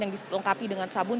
yang disetengkapi dengan sabun